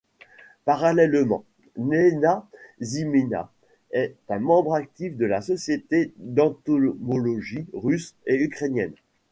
Parallèlement, Lena Zimina est un membre actif des Sociétés d'entomologies russe et ukrainienne.